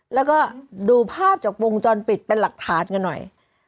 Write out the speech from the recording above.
แล้วก็ดูภาพจากวงจรปิดเป็นหลักฐานกันหน่อย